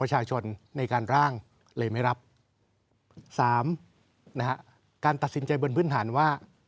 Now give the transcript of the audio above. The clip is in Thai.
ในการร่างเลยไม่รับสามนะฮะการตัดสินใจบนพื้นฐานว่า